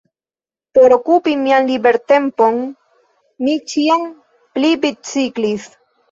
Por okupi mian libertempon, mi ĉiam pli biciklis.